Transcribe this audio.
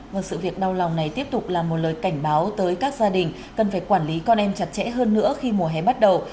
và sự việc đau lòng này tiếp tục là một lời cảnh báo tới các gia đình cần phải quản lý con em chặt chẽ hơn nữa khi mùa hè bắt đầu